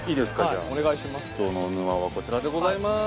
今日の沼はこちらでございます。